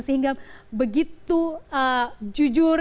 sehingga begitu jujur